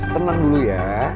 tenang dulu ya